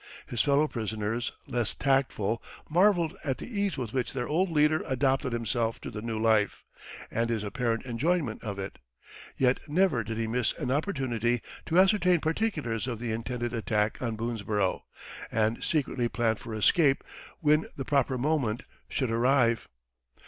His fellow prisoners, less tactful, marveled at the ease with which their old leader adapted himself to the new life, and his apparent enjoyment of it. Yet never did he miss an opportunity to ascertain particulars of the intended attack on Boonesborough, and secretly planned for escape when the proper moment should arrive.